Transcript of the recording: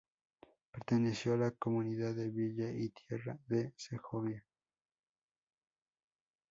Perteneció a la Comunidad de Villa y Tierra de Segovia.